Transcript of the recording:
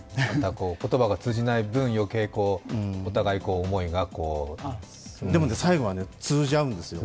言葉が通じない分、余計にお互い、思いがこうでも最後は通じ合うんですよ。